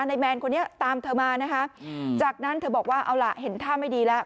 แมนคนนี้ตามเธอมานะคะจากนั้นเธอบอกว่าเอาล่ะเห็นท่าไม่ดีแล้ว